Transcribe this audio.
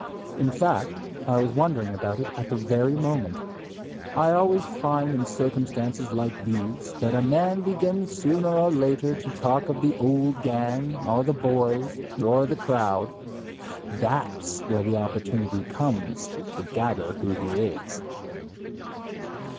In fact I was wondering about it at the very moment. I always find in circumstances like these that a man begins sooner or later to talk of the "old gang" or "the boys" or "the crowd." That's where the opportunity comes in to gather who he is.